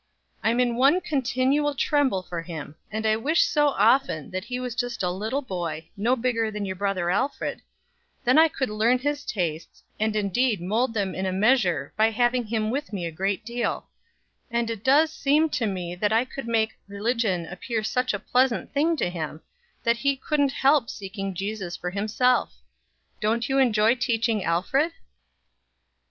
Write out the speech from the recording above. I am in one continual tremble for him, and I wish so often that he was just a little boy, no older than your brother Alfred; then I could learn his tastes, and indeed mold them in a measure by having him with me a great deal, and it does seem to me that I could make religion appear such a pleasant thing to him, that he couldn't help seeking Jesus for himself. Don't you enjoy teaching Alfred?"